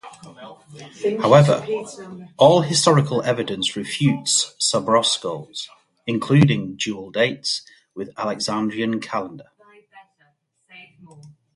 However, all historical evidence refutes Sacrobosco, including dual dates with the Alexandrian calendar.